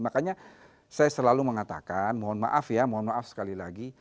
makanya saya selalu mengatakan mohon maaf ya mohon maaf sekali lagi